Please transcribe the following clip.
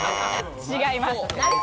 違います。